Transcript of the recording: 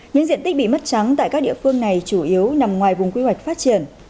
những diện tích bị mất trắng tại các địa phương này chủ yếu nằm ngoài vùng quy hoạch phát triển